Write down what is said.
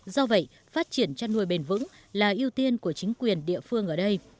do vậy phát triển chăn nuôi bền vững là ưu tiên của chính quyền địa phương ở đây